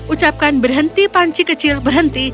ucapkan berhenti panci kecil berhenti